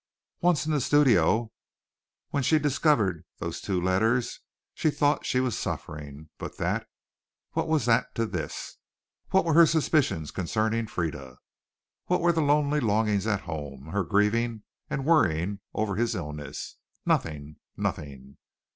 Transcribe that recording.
Once in the studio, when she discovered those two letters, she thought she was suffering but that, what was that to this? What were her suspicions concerning Frieda? What were the lonely longings at home, her grieving and worrying over his illness? Nothing, nothing!